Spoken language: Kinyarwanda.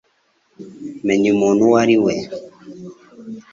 Menya umuntu uwo ari we.